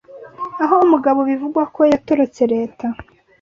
aho umugabo bivugwa ko yatorotse Leta